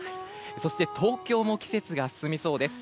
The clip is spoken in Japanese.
そして東京も季節が進みそうです。